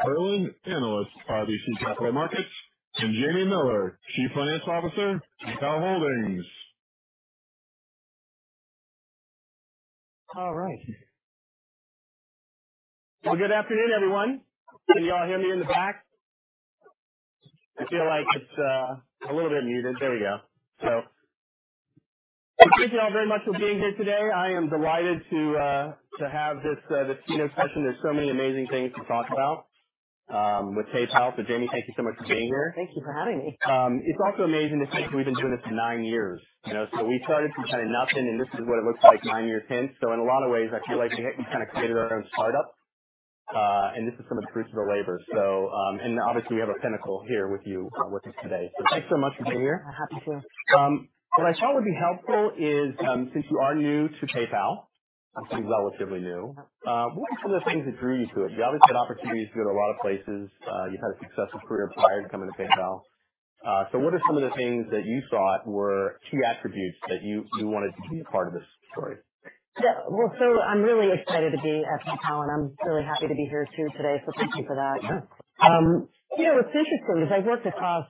Daniel Perlin, analyst for RBC Capital Markets, and Jamie Miller, Chief Financial Officer at PayPal Holdings. All right. Well, good afternoon, everyone. Can you all hear me in the back? I feel like it's a little bit muted. There we go. So thank you all very much for being here today. I am delighted to have this keynote session. There's so many amazing things to talk about with PayPal. So Jamie, thank you so much for being here. Thank you for having me. It's also amazing to see we've been doing this for nine years. So we started from kind of nothing, and this is what it looks like nine years in. So in a lot of ways, I feel like we kind of created our own startup, and this is some of the fruits of our labor. And obviously, we have a pinnacle here with you with us today. So thanks so much for being here. Happy to. What I thought would be helpful is, since you are new to PayPal, which is relatively new, what were some of the things that drew you to it? You obviously had opportunities to go to a lot of places. You've had a successful career prior to coming to PayPal. So what are some of the things that you thought were key attributes that you wanted to be a part of this story? Well, so I'm really excited to be at PayPal, and I'm really happy to be here too today. So thank you for that. What's interesting is I've worked across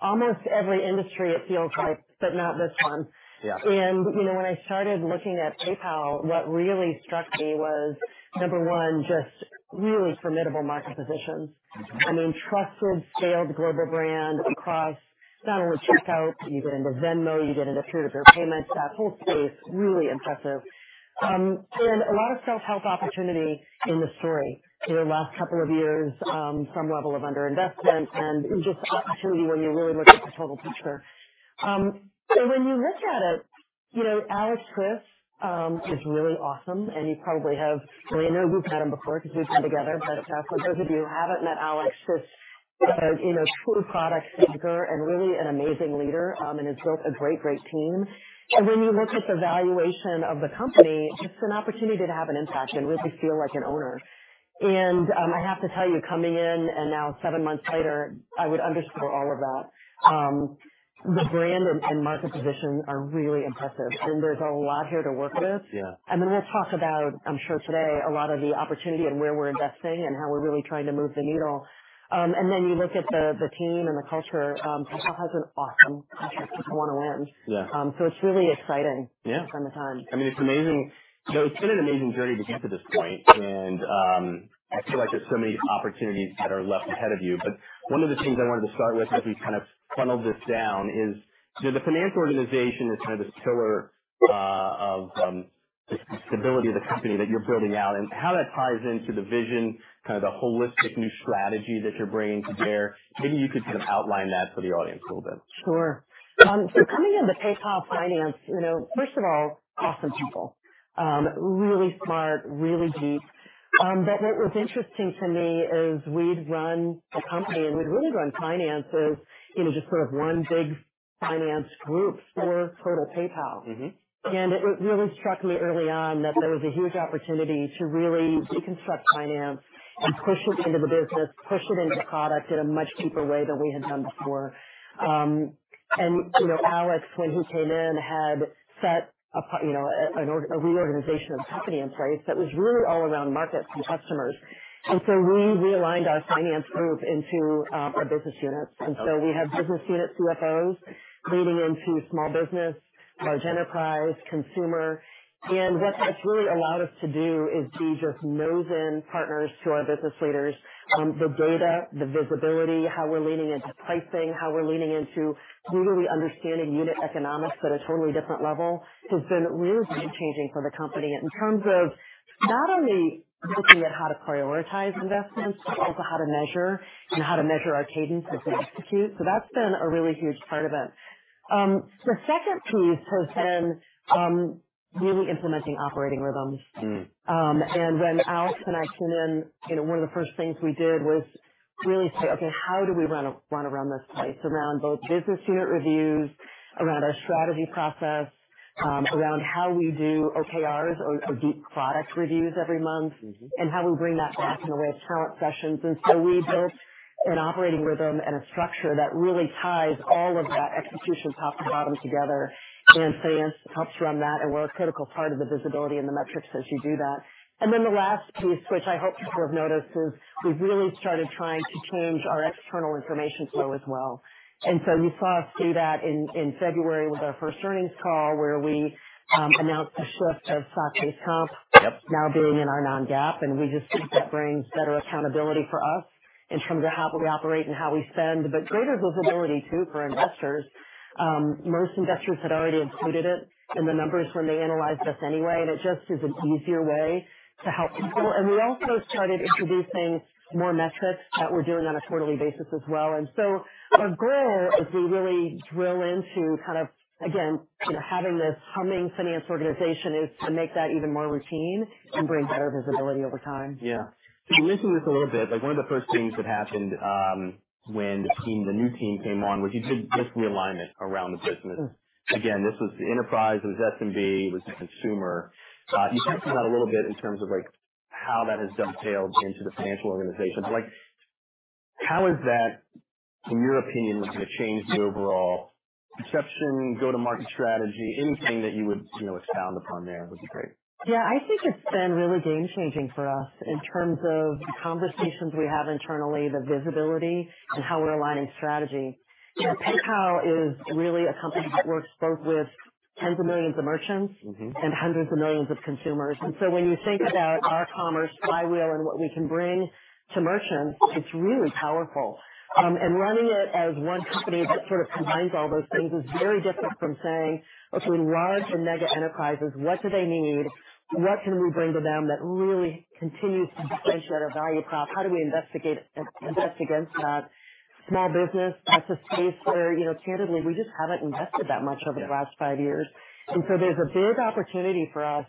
almost every industry, it feels like, but not this one. And when I started looking at PayPal, what really struck me was, number one, just really formidable market positions. I mean, trusted, scaled global brand across not only checkout. You get into Venmo. You get into peer-to-peer payments. That whole space, really impressive. And a lot of self-help opportunity in the story. Last couple of years, some level of underinvestment, and just opportunity when you really look at the total picture. And when you look at it, Alex Chriss is really awesome. You probably have, well, I know you've had him before because we've been together, but for those of you who haven't met Alex, he's a true product thinker and really an amazing leader and has built a great, great team. When you look at the valuation of the company, it's an opportunity to have an impact and really feel like an owner. I have to tell you, coming in and now seven months later, I would underscore all of that. The brand and market position are really impressive. There's a lot here to work with. Then we'll talk about, I'm sure today, a lot of the opportunity and where we're investing and how we're really trying to move the needle. Then you look at the team and the culture. PayPal has an awesome culture. People want to win. It's really exciting to spend the time. Yeah. I mean, it's amazing. It's been an amazing journey to get to this point. I feel like there's so many opportunities that are left ahead of you. But one of the things I wanted to start with, as we kind of funnel this down, is the financial organization kind of this pillar of the stability of the company that you're building out and how that ties into the vision, kind of the holistic new strategy that you're bringing to bear. Maybe you could kind of outline that for the audience a little bit. Sure. So coming into PayPal Finance, first of all, awesome people. Really smart, really deep. But what was interesting to me is we'd run a company, and we'd really run finances as just sort of one big finance group for total PayPal. And it really struck me early on that there was a huge opportunity to really deconstruct finance and push it into the business, push it into the product in a much deeper way than we had done before. And Alex, when he came in, had set a reorganization of the company in place that was really all around markets and customers. And so we realigned our finance group into our business units. And so we have business unit CFOs leading into small business, large enterprise, consumer. And what that's really allowed us to do is be just nose-in partners to our business leaders. The data, the visibility, how we're leaning into pricing, how we're leaning into really understanding unit economics at a totally different level has been really game-changing for the company in terms of not only looking at how to prioritize investments, but also how to measure and how to measure our cadence as we execute. So that's been a really huge part of it. The second piece has been really implementing operating rhythms. And when Alex and I came in, one of the first things we did was really say, "Okay, how do we run around this place?" Around both business unit reviews, around our strategy process, around how we do OKRs or deep product reviews every month, and how we bring that back in the way of talent sessions. And so we built an operating rhythm and a structure that really ties all of that execution top to bottom together. Finance helps run that, and we're a critical part of the visibility and the metrics as you do that. Then the last piece, which I hope you've noticed, is we've really started trying to change our external information flow as well. So you saw us do that in February with our first earnings call where we announced a shift of stock-based comp now being in our non-GAAP. We just think that brings better accountability for us in terms of how we operate and how we spend, but greater visibility too for investors. Most investors had already included it in the numbers when they analyzed us anyway. It just is an easier way to help people. We also started introducing more metrics that we're doing on a quarterly basis as well. And so our goal is we really drill into kind of, again, having this humming finance organization is to make that even more routine and bring better visibility over time. Yeah. So you mentioned this a little bit. One of the first things that happened when the new team came on was you did this realignment around the business. Again, this was the enterprise. It was SMB. It was the consumer. You kind of came out a little bit in terms of how that has dovetailed into the financial organization. How has that, in your opinion, changed the overall perception, go-to-market strategy? Anything that you would expound upon there would be great. Yeah. I think it's been really game-changing for us in terms of the conversations we have internally, the visibility, and how we're aligning strategy. PayPal is really a company that works both with tens of millions of merchants and hundreds of millions of consumers. And so when you think about our commerce flywheel and what we can bring to merchants, it's really powerful. And running it as one company that sort of combines all those things is very different from saying, "Okay, large and mega enterprises, what do they need? What can we bring to them that really continues to differentiate our value prop? How do we invest against that?" Small business, that's a space where, candidly, we just haven't invested that much over the last five years. And so there's a big opportunity for us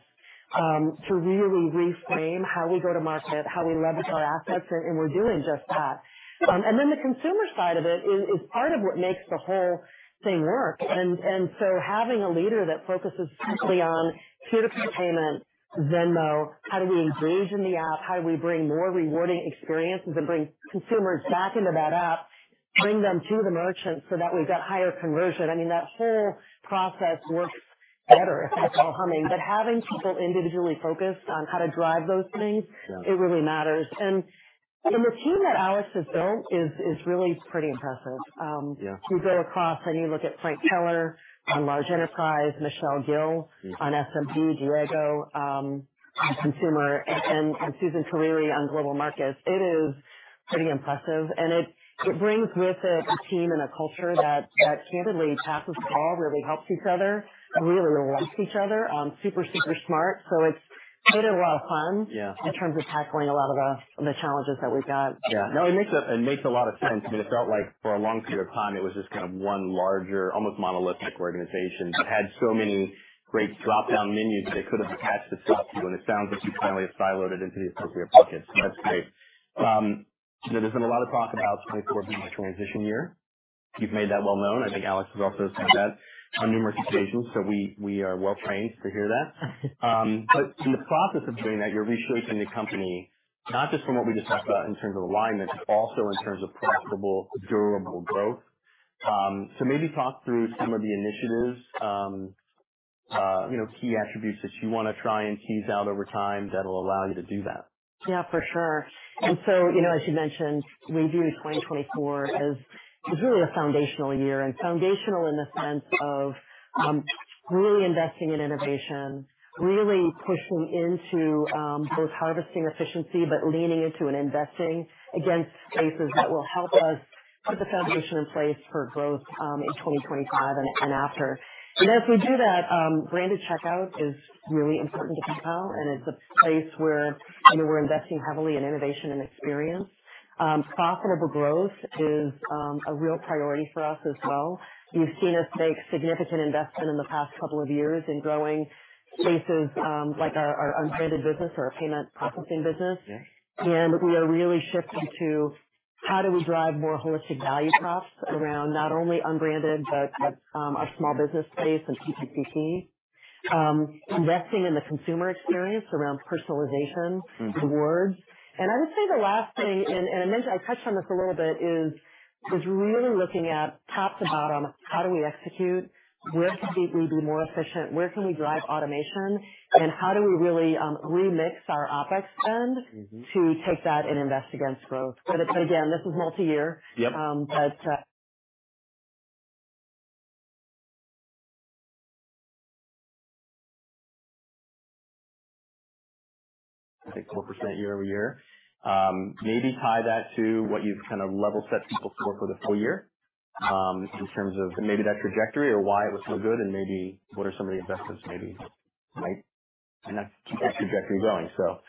to really reframe how we go to market, how we leverage our assets, and we're doing just that. And then the consumer side of it is part of what makes the whole thing work. And so having a leader that focuses strictly on peer-to-peer payment, Venmo, how do we engage in the app? How do we bring more rewarding experiences and bring consumers back into that app, bring them to the merchants so that we've got higher conversion? I mean, that whole process works better if that's all humming. But having people individually focused on how to drive those things, it really matters. And the team that Alex has built is really pretty impressive. You go across and you look at Frank Keller on large enterprise, Michelle Gill on SMB, Diego on consumer, and Suzan Kereere on global markets. It is pretty impressive. And it brings with it a team and a culture that, candidly, passes all, really helps each other, really likes each other, super, super smart. So it's made it a lot of fun in terms of tackling a lot of the challenges that we've got. Yeah. No, it makes a lot of sense. I mean, it felt like for a long period of time, it was just kind of one larger, almost monolithic organization that had so many great drop-down menus that they could have attached to stuff. And it sounds like you finally have siloed it into the appropriate buckets. That's great. There's been a lot of talk about 2024 being a transition year. You've made that well known. I think Alex has also said that on numerous occasions. So we are well trained to hear that. But in the process of doing that, you're reshaping the company, not just from what we just talked about in terms of alignment, but also in terms of profitable, durable growth. Maybe talk through some of the initiatives, key attributes that you want to try and tease out over time that will allow you to do that. Yeah, for sure. And so, as you mentioned, we view 2024 as really a foundational year. And foundational in the sense of really investing in innovation, really pushing into both harvesting efficiency, but leaning into and investing against spaces that will help us put the foundation in place for growth in 2025 and after. And as we do that, branded checkout is really important to PayPal. And it's a place where we're investing heavily in innovation and experience. Profitable growth is a real priority for us as well. You've seen us make significant investment in the past couple of years in growing spaces like our unbranded business or our payment processing business. And we are really shifting to how do we drive more holistic value props around not only unbranded, but our small business space and PPCP, investing in the consumer experience around personalization, rewards. I would say the last thing, and I touched on this a little bit, is really looking at top to bottom, how do we execute? Where can we be more efficient? Where can we drive automation? And how do we really remix our OPEX spend to take that and invest against growth? But again, this is multi-year, but. I think 4% year-over-year. Maybe tie that to what you've kind of level set people for the full year in terms of maybe that trajectory or why it was so good, and maybe what are some of the investments maybe might keep that trajectory going, so.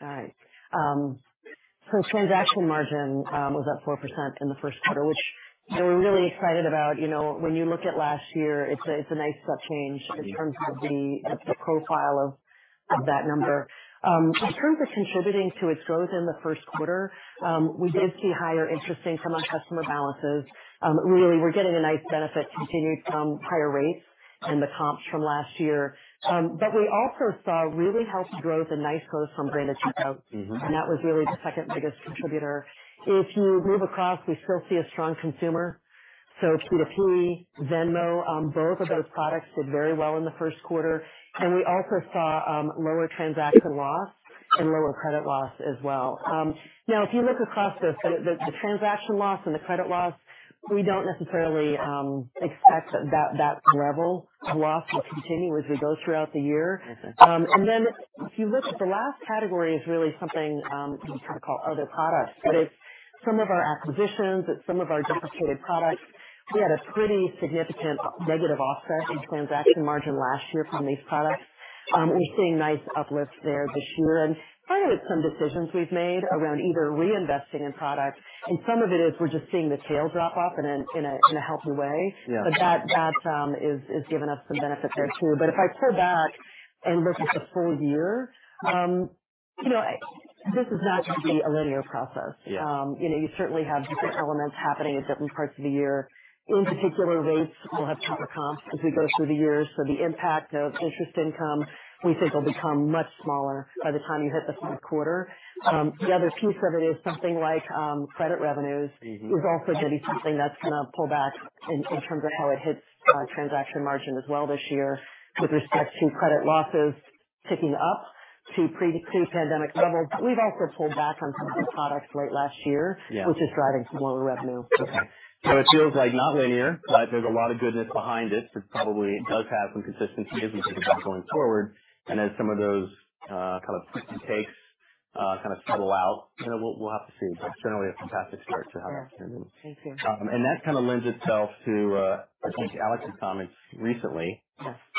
All right. So transaction margin was up 4% in the first quarter, which we're really excited about. When you look at last year, it's a nice step change in terms of the profile of that number. In terms of contributing to its growth in the first quarter, we did see higher interest from our customer balances. Really, we're getting a nice continued benefit from higher rates and the comps from last year. But we also saw really healthy growth and nice growth from Branded Checkout. And that was really the second biggest contributor. If you move across, we still see a strong consumer. So P2P, Venmo, both of those products did very well in the first quarter. And we also saw lower transaction loss and lower credit loss as well. Now, if you look across this, the transaction loss and the credit loss, we don't necessarily expect that that level of loss will continue as we go throughout the year. And then if you look at the last category, it's really something you kind of call other products, but it's some of our acquisitions. It's some of our deprecated products. We had a pretty significant negative offset in transaction margin last year from these products. We're seeing nice uplifts there this year. And part of it's some decisions we've made around either reinvesting in products. And some of it is we're just seeing the tail drop off in a healthy way. But that is giving us some benefit there too. But if I pull back and look at the full year, this is not going to be a linear process. You certainly have different elements happening at different parts of the year. In particular, rates will have tougher comps as we go through the years. So the impact of interest income, we think, will become much smaller by the time you hit the third quarter. The other piece of it is something like credit revenues is also going to be something that's going to pull back in terms of how it hits transaction margin as well this year with respect to credit losses picking up to pre-pandemic levels. But we've also pulled back on some of the products late last year, which is driving some lower revenue. Okay. So it feels like not linear, but there's a lot of goodness behind it. It probably does have some consistency as we think about going forward. And as some of those kind of quick takes kind of settle out, we'll have to see. But generally, a fantastic start to how that's trending. Thank you. And that kind of lends itself to, I think, Alex's comments recently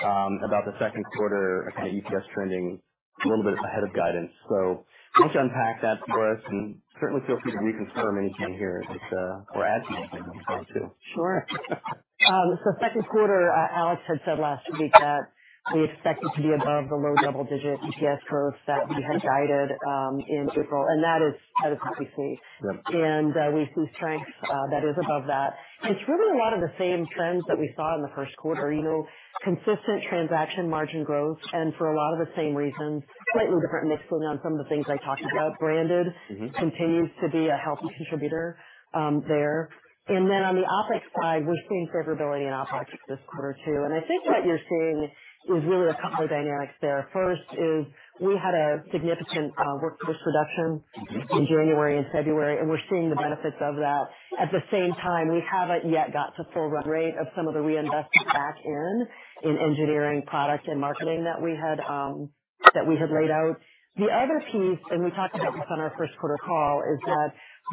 about the second quarter kind of EPS trending a little bit ahead of guidance. So why don't you unpack that for us? And certainly, feel free to reconfirm anything here or add to anything at this time too. Sure. So second quarter, Alex had said last week that we expect it to be above the low double-digit EPS growth that we had guided in April. That is what we see. We see strength that is above that. It's really a lot of the same trends that we saw in the first quarter: consistent transaction margin growth. For a lot of the same reasons, slightly different mixing on some of the things I talked about. Branded continues to be a healthy contributor there. Then on the OPEX side, we're seeing favorability in OPEX this quarter too. I think what you're seeing is really a couple of dynamics there. First is we had a significant workforce reduction in January and February, and we're seeing the benefits of that. At the same time, we haven't yet got to full run rate of some of the reinvestment back in engineering, product, and marketing that we had laid out. The other piece, and we talked about this on our first quarter call, is that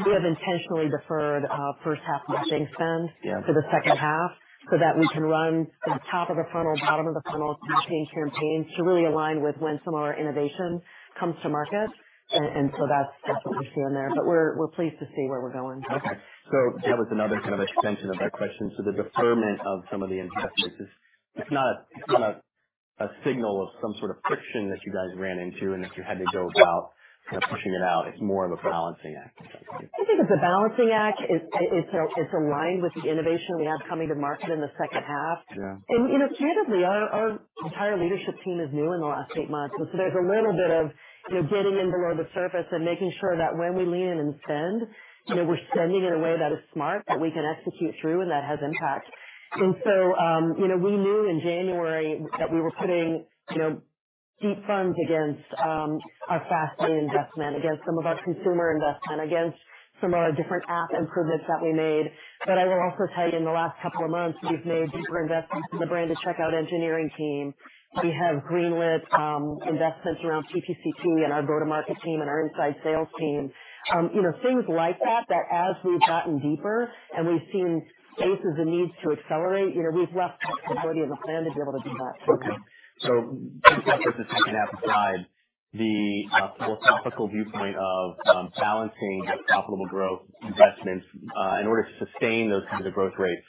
we have intentionally deferred first-half marketing spend to the second half so that we can run top of the funnel, bottom of the funnel, campaign campaigns to really align with when some of our innovation comes to market. And so that's what we're seeing there. But we're pleased to see where we're going. Okay. So that was another kind of extension of that question. So the deferment of some of the investments is not a signal of some sort of friction that you guys ran into and that you had to go about kind of pushing it out. It's more of a balancing act. I think it's a balancing act. It's aligned with the innovation we have coming to market in the second half. And candidly, our entire leadership team is new in the last eight months. And so there's a little bit of getting in below the surface and making sure that when we lean in and spend, we're spending in a way that is smart, that we can execute through, and that has impact. And so we knew in January that we were putting deep funds against our fast-pay investment, against some of our consumer investment, against some of our different app improvements that we made. But I will also tell you, in the last couple of months, we've made deeper investments in the Branded Checkout engineering team. We have greenlit investments around PPCP and our go-to-market team and our inside sales team. Things like that, that as we've gotten deeper and we've seen spaces and needs to accelerate, we've left flexibility in the plan to be able to do that. Okay. So just to take a step aside, the philosophical viewpoint of balancing profitable growth investments in order to sustain those kinds of growth rates,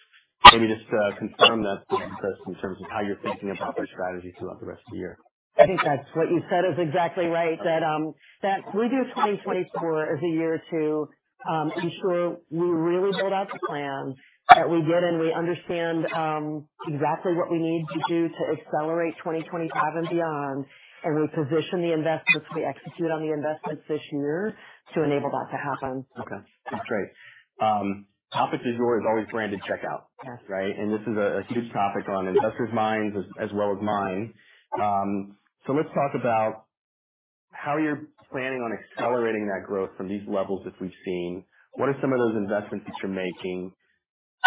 maybe just to confirm that. As in terms of how you're thinking about your strategy throughout the rest of the year? I think that's what you said is exactly right, that we view 2024 as a year to ensure we really build out the plan, that we get in, we understand exactly what we need to do to accelerate 2025 and beyond, and we position the investments, we execute on the investments this year to enable that to happen. Okay. That's great. Topic is yours, always branded checkout, right? And this is a huge topic on investors' minds as well as mine. So let's talk about how you're planning on accelerating that growth from these levels that we've seen. What are some of those investments that you're making,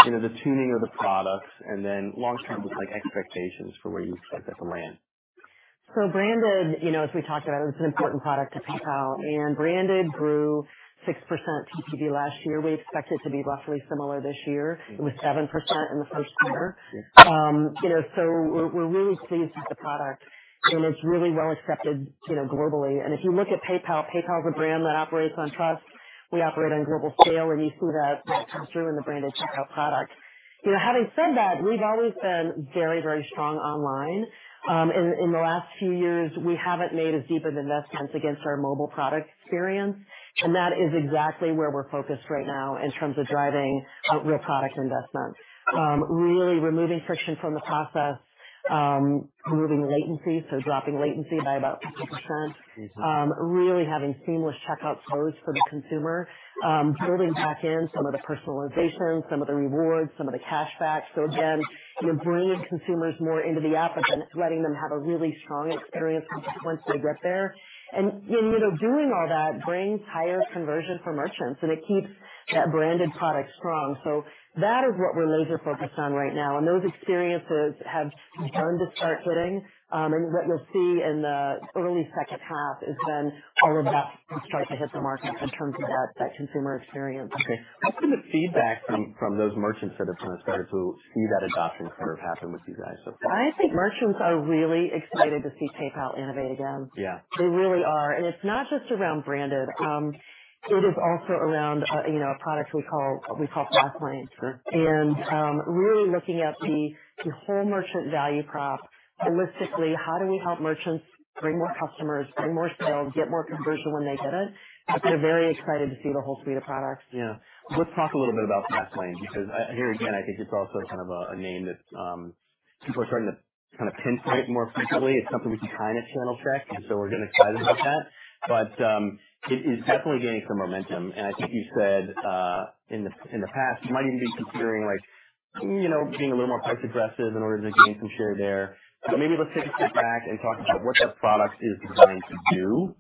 the tuning of the products, and then long-term expectations for where you expect that to land? Branded, as we talked about, it's an important product to PayPal. Branded grew 6% TPV last year. We expect it to be roughly similar this year. It was 7% in the first quarter. We're really pleased with the product, and it's really well accepted globally. If you look at PayPal, PayPal is a brand that operates on trust. We operate on global scale, and you see that come through in the branded checkout product. Having said that, we've always been very, very strong online. In the last few years, we haven't made as deep of investments against our mobile product experience. That is exactly where we're focused right now in terms of driving real product investments, really removing friction from the process, removing latency, so dropping latency by about 50%, really having seamless checkout flows for the consumer, building back in some of the personalization, some of the rewards, some of the cashback. So again, bringing consumers more into the app, but then letting them have a really strong experience once they get there. And doing all that brings higher conversion for merchants, and it keeps that branded product strong. So that is what we're laser-focused on right now. And those experiences have begun to start hitting. And what you'll see in the early second half is then all of that will start to hit the market in terms of that consumer experience. Okay. What's been the feedback from those merchants that have kind of started to see that adoption curve happen with you guys so far? I think merchants are really excited to see PayPal innovate again. They really are. And it's not just around branded. It is also around a product we call Fastlane. And really looking at the whole merchant value prop holistically, how do we help merchants bring more customers, bring more sales, get more conversion when they get it? They're very excited to see the whole suite of products. Yeah. Let's talk a little bit about Fastlane because here, again, I think it's also kind of a name that people are starting to kind of pinpoint more frequently. It's something we can kind of channel check. And so we're excited about that. But it is definitely gaining some momentum. And I think you said in the past, you might even be considering being a little more price aggressive in order to gain some share there. But maybe let's take a step back and talk about what the product is designed to do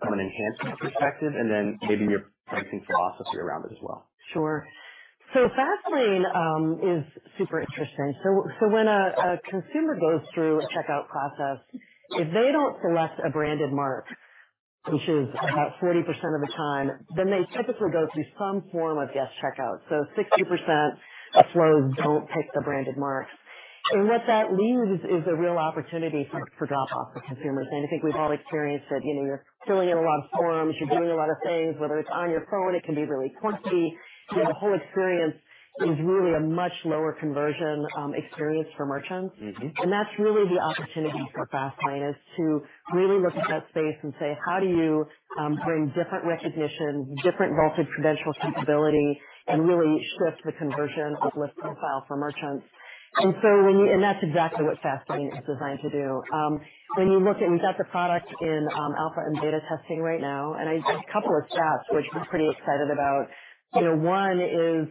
from an enhancement perspective, and then maybe your pricing philosophy around it as well. Sure. So Fastlane is super interesting. So when a consumer goes through a checkout process, if they don't select a branded mark, which is about 40% of the time, then they typically go through some form of guest checkout. So 60% of flows don't pick the branded marks. And what that leaves is a real opportunity for drop-off for consumers. And I think we've all experienced it. You're filling in a lot of forms. You're doing a lot of things. Whether it's on your phone, it can be really clunky. The whole experience is really a much lower conversion experience for merchants. And that's really the opportunity for Fastlane is to really look at that space and say, "How do you bring different recognition, different vaulted credential capability, and really shift the conversion uplift profile for merchants?" And that's exactly what Fastlane is designed to do. When you look at, we've got the product in alpha and beta testing right now. I have a couple of stats, which we're pretty excited about. One is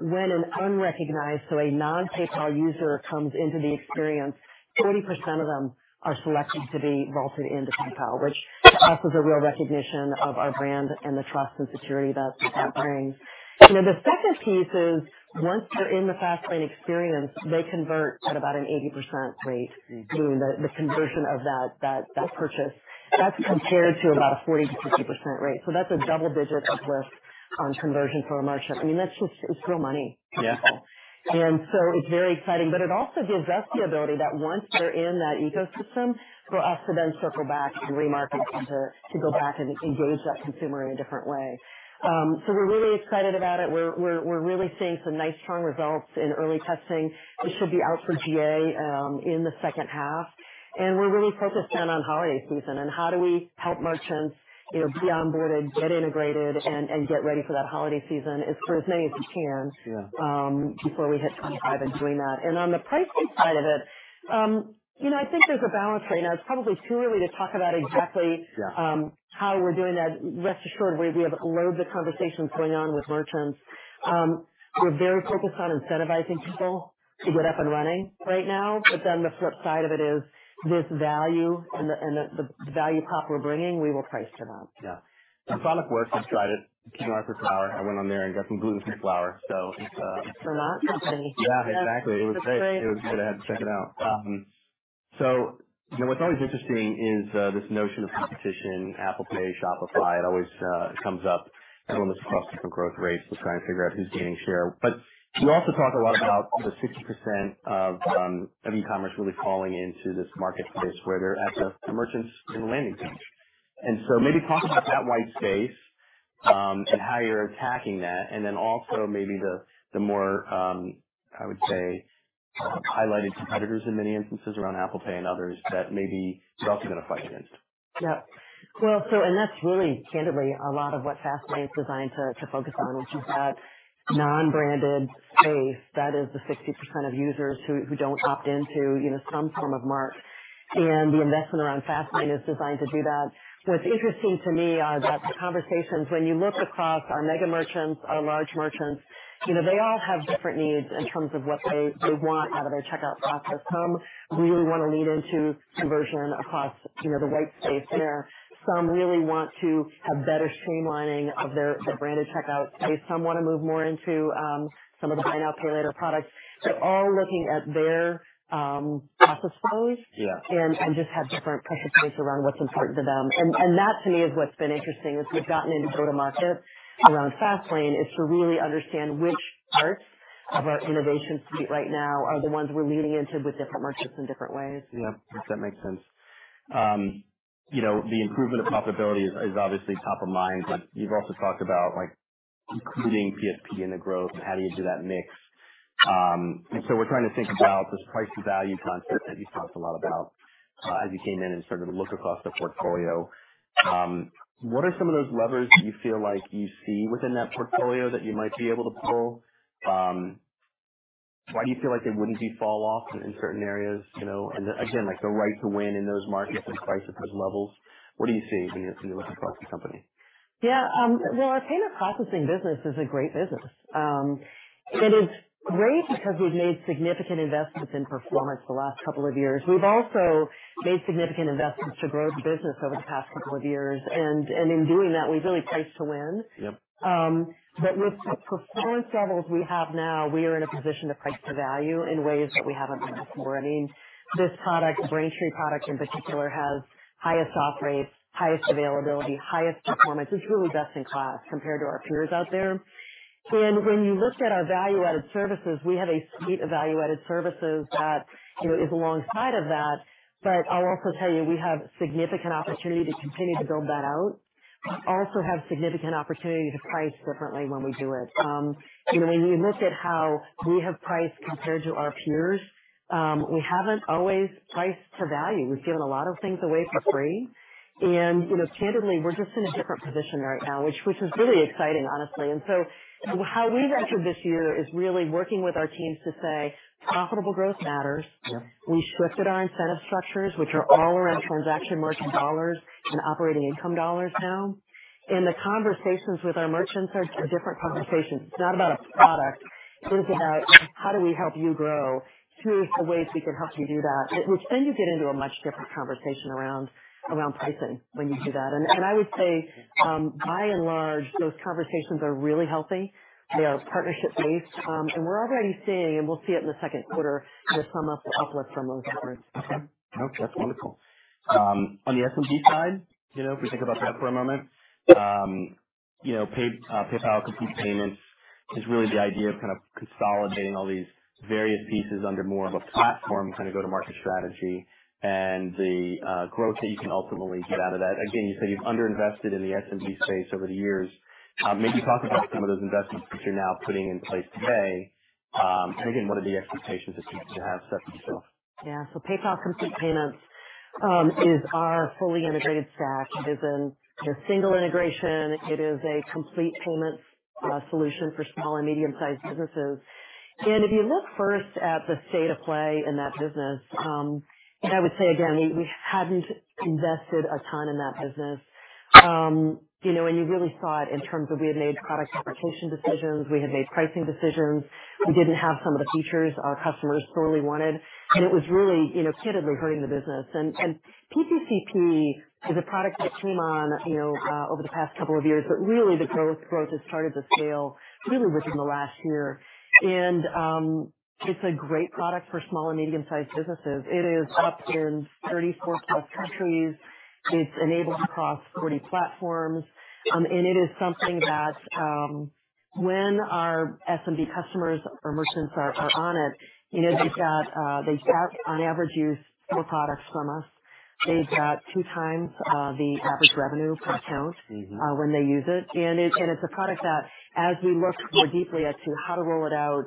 when an unrecognized, so a non-PayPal user comes into the experience, 40% of them are selected to be vaulted into PayPal, which to us is a real recognition of our brand and the trust and security that that brings. The second piece is once they're in the Fastlane experience, they convert at about an 80% rate, meaning the conversion of that purchase. That's compared to about a 40% to 50% rate. So that's a double-digit uplift on conversion for a merchant. I mean, that's just real money for people. So it's very exciting. But it also gives us the ability that once they're in that ecosystem, for us to then circle back and remarket them to go back and engage that consumer in a different way. So we're really excited about it. We're really seeing some nice strong results in early testing. It should be out for GA in the second half. And we're really focused in on holiday season and how do we help merchants be onboarded, get integrated, and get ready for that holiday season as far as many as we can before we hit 2025 and doing that. And on the pricing side of it, I think there's a balance right now. It's probably too early to talk about exactly how we're doing that. Rest assured, we have loads of conversations going on with merchants. We're very focused on incentivizing people to get up and running right now. But then the flip side of it is this value and the value prop we're bringing, we will price for that. Yeah. The product works. I've tried it. King Arthur Flour. I went on there and got some gluten, some flour. So it's. Or not company. Yeah, exactly. It was great. It was good. I had to check it out. So what's always interesting is this notion of competition, Apple Pay, Shopify. It always comes up. Everyone looks across different growth rates and trying to figure out who's gaining share. But you also talk a lot about the 60% of e-commerce really falling into this marketplace where they're at the merchants and the landing page. And so maybe talk about that white space and how you're attacking that. And then also maybe the more, I would say, highlighted competitors in many instances around Apple Pay and others that maybe you're also going to fight against. Yeah. Well, and that's really, candidly, a lot of what Fastlane is designed to focus on, which is that non-branded space. That is the 60% of users who don't opt into some form of mark. And the investment around Fastlane is designed to do that. What's interesting to me are that the conversations, when you look across our mega merchants, our large merchants, they all have different needs in terms of what they want out of their checkout process. Some really want to lean into conversion across the white space there. Some really want to have better streamlining of their branded checkout space. Some want to move more into some of the buy now, pay later products. They're all looking at their process flows and just have different pressure points around what's important to them. That, to me, is what's been interesting as we've gotten into go-to-market around Fastlane is to really understand which parts of our innovation suite right now are the ones we're leaning into with different merchants in different ways. Yeah. That makes sense. The improvement of profitability is obviously top of mind, but you've also talked about including PSP in the growth and how do you do that mix. And so we're trying to think about this price-to-value concept that you talked a lot about as you came in and started to look across the portfolio. What are some of those levers that you feel like you see within that portfolio that you might be able to pull? Why do you feel like they wouldn't do fall off in certain areas? And again, the right to win in those markets and price at those levels. What do you see when you look across the company? Yeah. Well, our payment processing business is a great business. And it's great because we've made significant investments in performance the last couple of years. We've also made significant investments to grow the business over the past couple of years. And in doing that, we've really priced to win. But with the performance levels we have now, we are in a position to price to value in ways that we haven't before. I mean, this product, Braintree product in particular, has highest auth rates, highest availability, highest performance. It's really best in class compared to our peers out there. And when you look at our value-added services, we have a suite of value-added services that is alongside of that. But I'll also tell you, we have significant opportunity to continue to build that out, also have significant opportunity to price differently when we do it. When you look at how we have priced compared to our peers, we haven't always priced to value. We've given a lot of things away for free. Candidly, we're just in a different position right now, which is really exciting, honestly. How we've entered this year is really working with our teams to say, "Profitable growth matters." We shifted our incentive structures, which are all around transaction margin dollars and operating income dollars now. The conversations with our merchants are different conversations. It's not about a product. It's about, "How do we help you grow? Here's the ways we can help you do that." Which then you get into a much different conversation around pricing when you do that. I would say, by and large, those conversations are really healthy. They are partnership-based. We're already seeing, and we'll see it in the second quarter, the sum-up uplift from those efforts. Okay. That's wonderful. On the SMB side, if we think about that for a moment, PayPal Complete Payments is really the idea of kind of consolidating all these various pieces under more of a platform kind of go-to-market strategy and the growth that you can ultimately get out of that. Again, you said you've underinvested in the SMB space over the years. Maybe talk about some of those investments that you're now putting in place today. And again, what are the expectations that you have set for yourself? Yeah. So PayPal Complete Payments is our fully integrated stack. It isn't a single integration. It is a complete payments solution for small and medium-sized businesses. And if you look first at the state of play in that business, and I would say, again, we hadn't invested a ton in that business. And you really saw it in terms of we had made product application decisions. We had made pricing decisions. We didn't have some of the features our customers sorely wanted. And it was really candidly hurting the business. And PPCP is a product that came on over the past couple of years, but really the growth has started to scale really within the last year. And it's a great product for small and medium-sized businesses. It is up in 34+ countries. It's enabled across 40 platforms. It is something that when our SMB customers or merchants are on it, they've got, on average, used four products from us. They've got two times the average revenue per account when they use it. It's a product that, as we look more deeply at how to roll it out,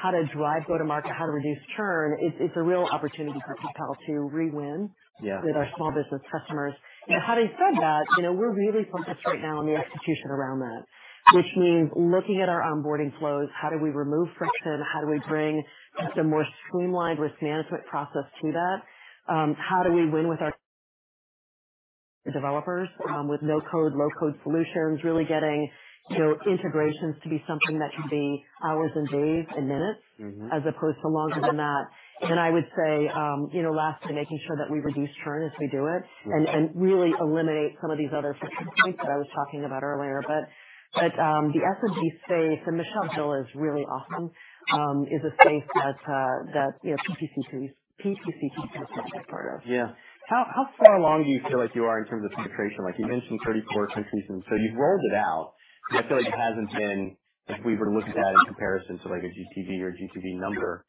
how to drive go-to-market, how to reduce churn, it's a real opportunity for PayPal to rewin with our small business customers. Having said that, we're really focused right now on the execution around that, which means looking at our onboarding flows. How do we remove friction? How do we bring just a more streamlined risk management process to that? How do we win with our developers with no-code, low-code solutions, really getting integrations to be something that can be hours and days and minutes as opposed to longer than that? I would say, lastly, making sure that we reduce churn as we do it and really eliminate some of these other friction points that I was talking about earlier. But the SMB space, and the Shopify is really awesome, is a space that PPCP is a part of. Yeah. How far along do you feel like you are in terms of penetration? You mentioned 34 countries. And so you've rolled it out. I feel like it hasn't been, if we were to look at that in comparison to a GTV or GTV number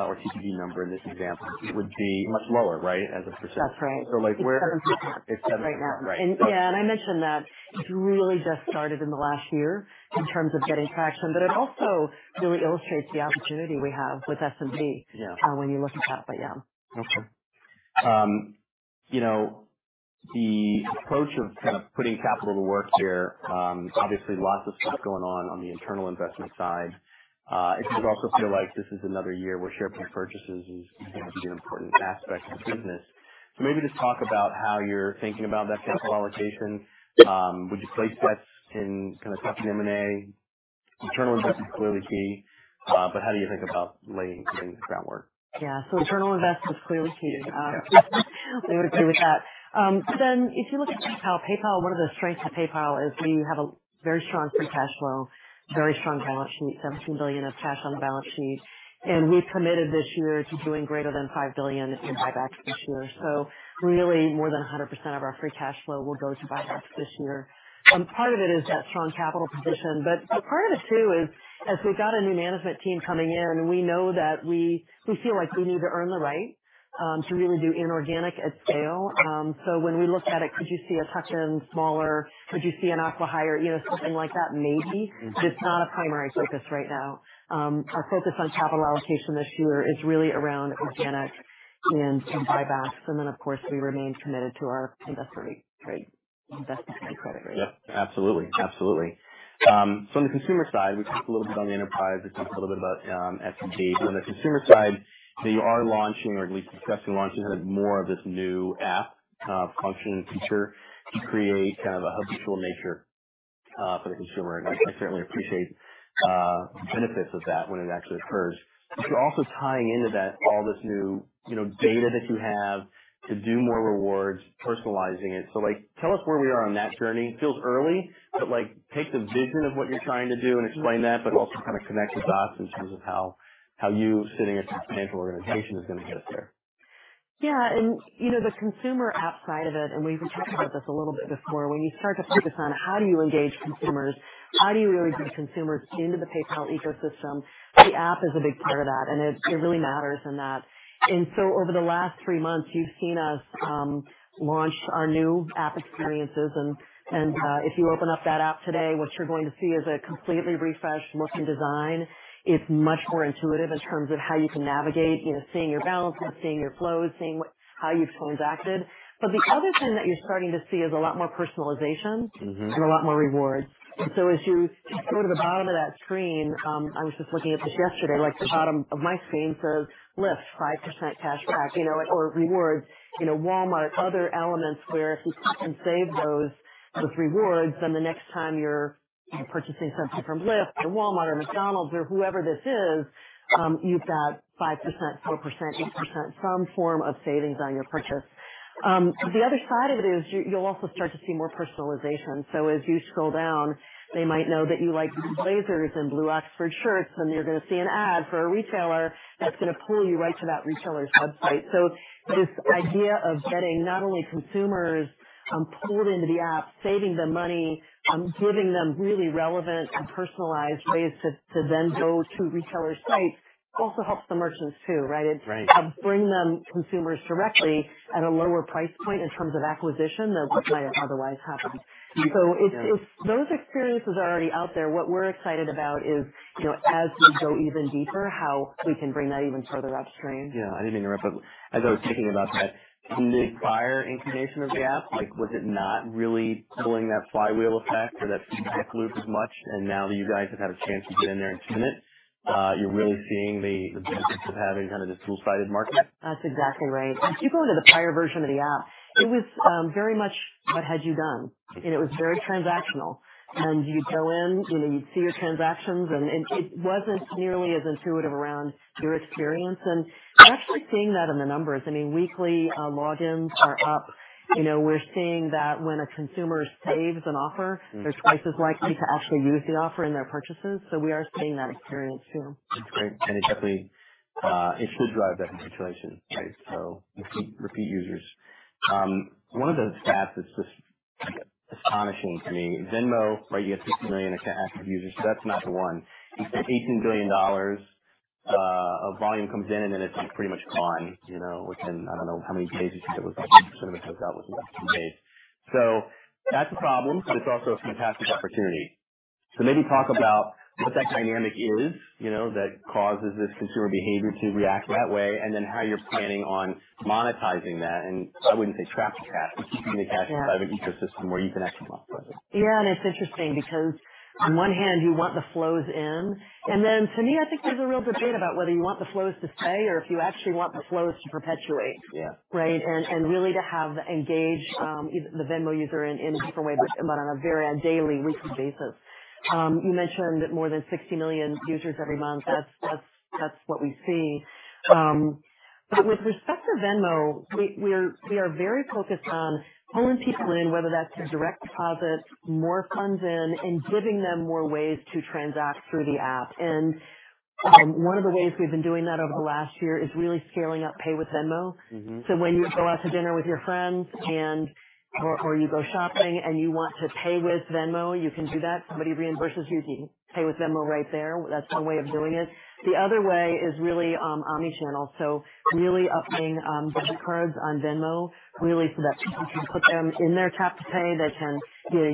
or TTV number in this example, would be much lower, right, as a percentage? That's right. So where is that right now? Yeah. And I mentioned that it's really just started in the last year in terms of getting traction. But it also really illustrates the opportunity we have with SMB when you look at that. But yeah. Okay. The approach of kind of putting capital to work here, obviously, lots of stuff going on on the internal investment side. I think you also feel like this is another year where share purchases is going to be an important aspect of the business. So maybe just talk about how you're thinking about that capital allocation. Would you place bets in kind of tuck-in M&A? Internal investment is clearly key. But how do you think about laying the groundwork? Yeah. So internal investment is clearly key. I would agree with that. But then if you look at PayPal, PayPal, one of the strengths of PayPal is you have a very strong free cash flow, very strong balance sheet, $17 billion of cash on the balance sheet. And we've committed this year to doing greater than $5 billion in buybacks this year. So really, more than 100% of our free cash flow will go to buybacks this year. Part of it is that strong capital position. But part of it too is, as we've got a new management team coming in, we know that we feel like we need to earn the right to really do inorganic at scale. So when we look at it, could you see a tuck-in smaller? Could you see an acqui-hire? Something like that? Maybe. But it's not a primary focus right now. Our focus on capital allocation this year is really around organic and buybacks. And then, of course, we remain committed to our investment grade credit rating. Yeah. Absolutely. Absolutely. So on the consumer side, we talked a little bit on the enterprise. We talked a little bit about SMB. But on the consumer side, you are launching, or at least discussing launching, kind of more of this new app function and feature to create kind of a habitual nature for the consumer. And I certainly appreciate the benefits of that when it actually occurs. But you're also tying into that all this new data that you have to do more rewards, personalizing it. So tell us where we are on that journey. It feels early, but take the vision of what you're trying to do and explain that, but also kind of connect the dots in terms of how you, sitting at a financial organization, is going to get us there. Yeah. And the consumer app side of it, and we've been talking about this a little bit before, when you start to focus on how do you engage consumers, how do you really bring consumers into the PayPal ecosystem, the app is a big part of that. And it really matters in that. And so over the last three months, you've seen us launch our new app experiences. And if you open up that app today, what you're going to see is a completely refreshed look and design. It's much more intuitive in terms of how you can navigate, seeing your balances, seeing your flows, seeing how you've transacted. But the other thing that you're starting to see is a lot more personalization and a lot more rewards. So as you go to the bottom of that screen, I was just looking at this yesterday. The bottom of my screen says, "Lyft, 5% cash back," or rewards, Walmart, other elements where if you click and save those rewards, then the next time you're purchasing something from Lyft or Walmart or McDonald's or whoever this is, you've got 5%, 4%, 8%, some form of savings on your purchase. The other side of it is you'll also start to see more personalization. So as you scroll down, they might know that you like blazers and blue Oxford shirts, and you're going to see an ad for a retailer that's going to pull you right to that retailer's website. So this idea of getting not only consumers pulled into the app, saving them money, giving them really relevant and personalized ways to then go to retailer sites also helps the merchants too, right? It's bringing them consumers directly at a lower price point in terms of acquisition than might have otherwise happened. So those experiences are already out there. What we're excited about is, as we go even deeper, how we can bring that even further upstream. Yeah. I didn't mean to interrupt, but as I was thinking about that, in the prior inclination of the app, was it not really pulling that flywheel effect or that feedback loop as much? And now that you guys have had a chance to get in there and spin it, you're really seeing the benefits of having kind of this dual-sided market? That's exactly right. If you go into the prior version of the app, it was very much what you had done. And it was very transactional. And you'd go in, you'd see your transactions. And it wasn't nearly as intuitive around your experience. And we're actually seeing that in the numbers. I mean, weekly logins are up. We're seeing that when a consumer saves an offer, they're twice as likely to actually use the offer in their purchases. So we are seeing that experience too. That's great. And it definitely should drive that situation, right? So repeat users. One of the stats that's just astonishing to me, Venmo, right, you had 60 million active users. So that's not the one. You spent $18 billion of volume comes in, and then it's pretty much gone within, I don't know, how many days you think it was? 90% of it goes out within about 10 days. So that's a problem, but it's also a fantastic opportunity. So maybe talk about what that dynamic is that causes this consumer behavior to react that way, and then how you're planning on monetizing that. And I wouldn't say trap the cash, but keeping the cash inside of an ecosystem where you can actually monetize it. Yeah. It's interesting because, on one hand, you want the flows in. And then, to me, I think there's a real debate about whether you want the flows to stay or if you actually want the flows to perpetuate, right? Really to have engaged the Venmo user in a different way, but on a very daily, weekly basis. You mentioned more than 60 million users every month. That's what we see. But with respect to Venmo, we are very focused on pulling people in, whether that's through direct deposits, more funds in, and giving them more ways to transact through the app. One of the ways we've been doing that over the last year is really scaling up Pay with Venmo. So when you go out to dinner with your friends or you go shopping and you want to pay with Venmo, you can do that. Somebody reimburses you, you pay with Venmo right there. That's one way of doing it. The other way is really omnichannel. So really upping debit cards on Venmo, really so that people can put them in their tap to pay, they can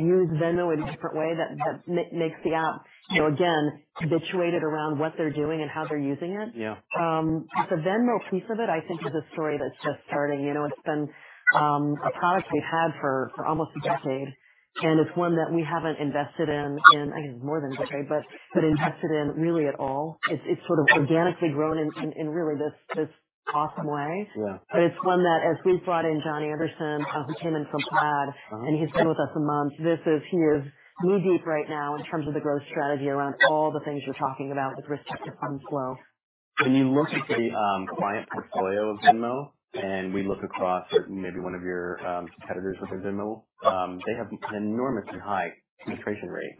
use Venmo in a different way that makes the app, again, habituated around what they're doing and how they're using it. The Venmo piece of it, I think, is a story that's just starting. It's been a product we've had for almost a decade. And it's one that we haven't invested in, I guess it's more than a decade, but invested in really at all. It's sort of organically grown in really this awesome way. But it's one that, as we've brought in John Anderson, who came in from Plaid, and he's been with us a month. He is knee-deep right now in terms of the growth strategy around all the things you're talking about with respect to fund flow. When you look at the client portfolio of Venmo and we look across maybe one of your competitors within Venmo, they have an enormously high penetration rate.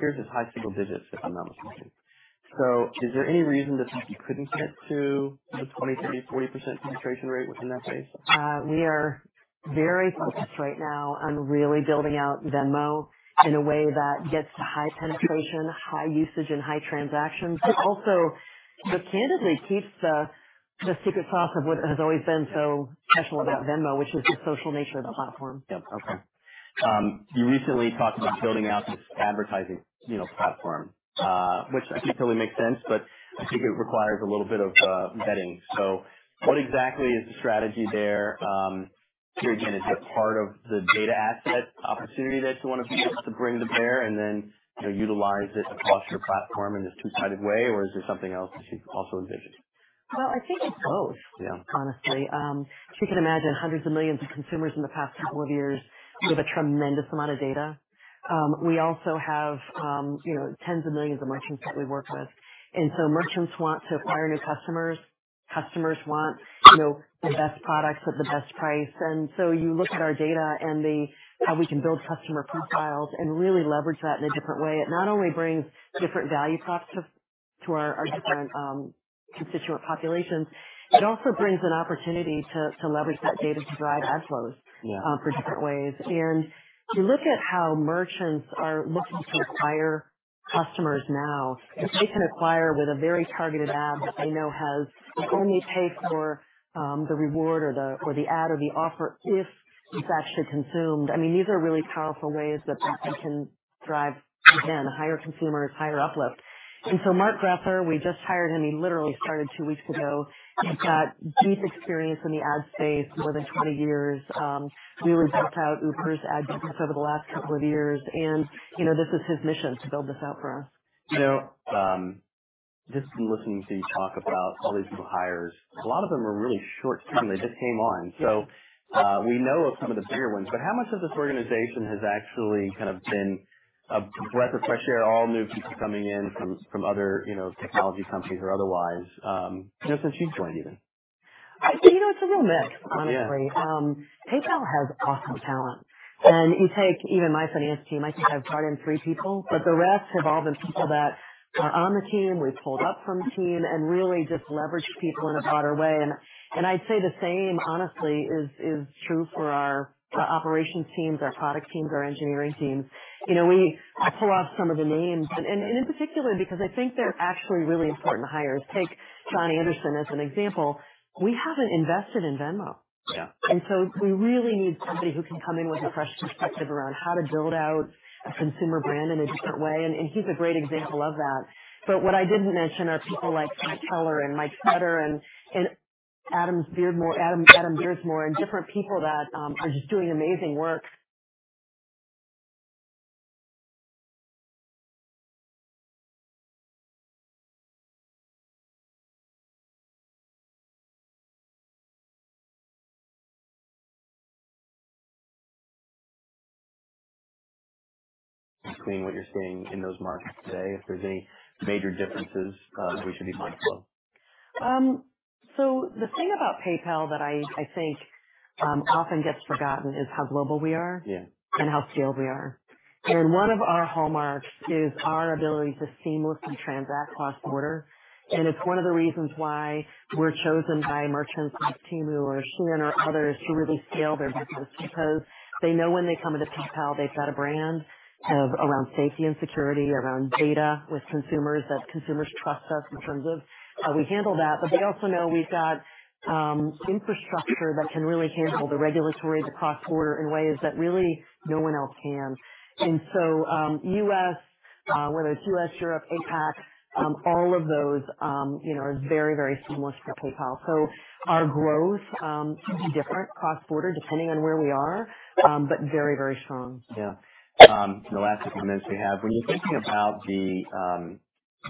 Here it's high single digits, if I'm not mistaken. So is there any reason that you couldn't commit to the 20%, 30%, 40% penetration rate within that space? We are very focused right now on really building out Venmo in a way that gets to high penetration, high usage, and high transactions. But also, but candidly, keeps the secret sauce of what has always been so special about Venmo, which is the social nature of the platform. Yep. Okay. You recently talked about building out this advertising platform, which I think totally makes sense, but I think it requires a little bit of vetting. So what exactly is the strategy there? Here again, is it part of the data asset opportunity that you want to be able to bring to bear and then utilize it across your platform in this two-sided way, or is there something else that you also envision? Well, I think it's both, honestly. As you can imagine, hundreds of millions of consumers in the past couple of years. We have a tremendous amount of data. We also have tens of millions of merchants that we work with. And so merchants want to acquire new customers. Customers want the best products at the best price. And so you look at our data and how we can build customer profiles and really leverage that in a different way. It not only brings different value props to our different constituent populations, it also brings an opportunity to leverage that data to drive ad flows for different ways. And if you look at how merchants are looking to acquire customers now, if they can acquire with a very targeted ad that they know has only pay for the reward or the ad or the offer if it's actually consumed, I mean, these are really powerful ways that they can drive, again, higher consumers, higher uplift. And so Mark Grether, we just hired him. He literally started two weeks ago. He's got deep experience in the ad space, more than 20 years. Really built out Uber's ad business over the last couple of years. And this is his mission to build this out for us. Just listening to you talk about all these new hires, a lot of them are really short-term. They just came on. So we know of some of the bigger ones. But how much of this organization has actually kind of been a breath of fresh air, all new people coming in from other technology companies or otherwise since you've joined even? It's a real mix, honestly. PayPal has awesome talent. And you take even my finance team, I think I've brought in three people, but the rest have all been people that are on the team, we've pulled up from the team, and really just leveraged people in a broader way. And I'd say the same, honestly, is true for our operations teams, our product teams, our engineering teams. I pull off some of the names. And in particular, because I think they're actually really important hires. Take John Anderson as an example. We haven't invested in Venmo. And so we really need somebody who can come in with a fresh perspective around how to build out a consumer brand in a different way. And he's a great example of that. But what I didn't mention are people like Frank Keller and Mike Stuttard and Adam Beardsmore and different people that are just doing amazing work. Between what you're seeing in those markets today, if there's any major differences we should be mindful of? So the thing about PayPal that I think often gets forgotten is how global we are and how scaled we are. And one of our hallmarks is our ability to seamlessly transact cross-border. And it's one of the reasons why we're chosen by merchants like Temu or Shein or others to really scale their business because they know when they come into PayPal, they've got a brand around safety and security, around data with consumers, that consumers trust us in terms of how we handle that. But they also know we've got infrastructure that can really handle the regulatory, the cross-border in ways that really no one else can. And so U.S., whether it's U.S., Europe, APAC, all of those are very, very seamless for PayPal. So our growth could be different cross-border depending on where we are, but very, very strong. Yeah. In the last couple of minutes we have, when you're thinking about the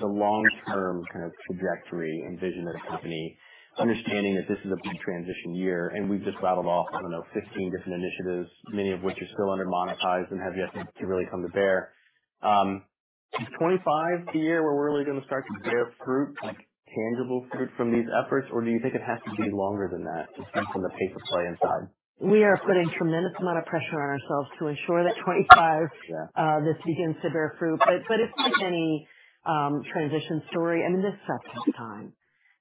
long-term kind of trajectory and vision of the company, understanding that this is a big transition year, and we've just rattled off, I don't know, 15 different initiatives, many of which are still undermonetized and have yet to really come to bear. Is 2025 the year where we're really going to start to bear fruit, tangible fruit from these efforts, or do you think it has to be longer than that to see from the PayPal side? We are putting a tremendous amount of pressure on ourselves to ensure that 2025 begins to bear fruit. But it's like any transition story. I mean, this stuff takes time.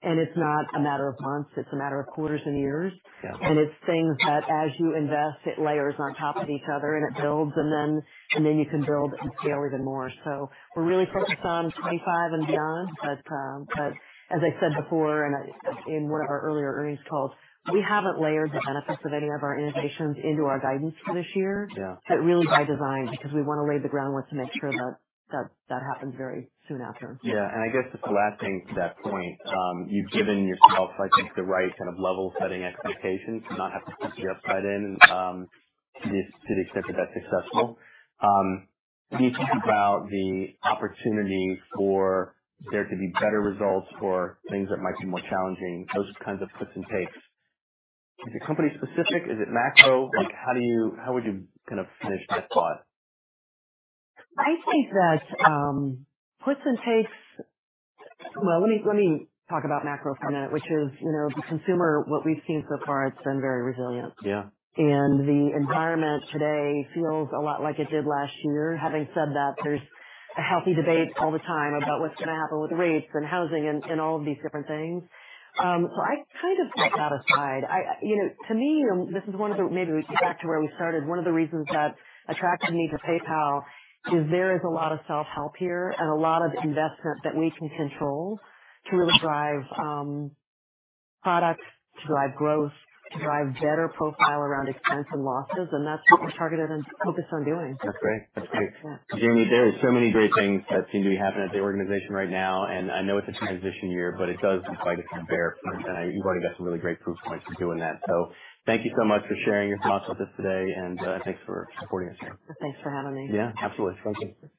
And it's not a matter of months. It's a matter of quarters and years. And it's things that, as you invest, it layers on top of each other and it builds, and then you can build and scale even more. So we're really focused on 2025 and beyond. But as I said before and in one of our earlier earnings calls, we haven't layered the benefits of any of our innovations into our guidance for this year. But really, by design, because we want to lay the groundwork to make sure that that happens very soon after. Yeah. And I guess just the last thing to that point, you've given yourself, I think, the right kind of level-setting expectations to not have to keep the upside in to the extent that that's acceptable. When you think about the opportunity for there to be better results for things that might be more challenging, those kinds of puts and takes, is it company-specific? Is it macro? How would you kind of finish that thought? I think that puts and takes well. Let me talk about macro for a minute, which is the consumer. What we've seen so far, it's been very resilient. And the environment today feels a lot like it did last year, having said that there's a healthy debate all the time about what's going to happen with rates and housing and all of these different things. So I kind of put that aside. To me, this is one of the maybe we get back to where we started. One of the reasons that attracted me to PayPal is there is a lot of self-help here and a lot of investment that we can control to really drive product, to drive growth, to drive better profile around expense and losses. And that's what we're targeted and focused on doing. That's great. That's great. Jamie, there are so many great things that seem to be happening at the organization right now. I know it's a transition year, but it does look like it's going to bear fruit. You've already got some really great proof points of doing that. So thank you so much for sharing your thoughts with us today. Thanks for supporting us here. Thanks for having me. Yeah. Absolutely. Thank you.